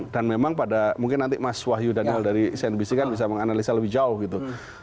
dan memang pada mungkin nanti mas wahyu daniel dari cnbc kan bisa menganalisa lebih jauh gitu